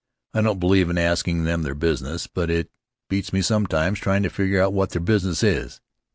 I don't believe in asking them their business, but it beats me sometimes, trying to figure out what their business is."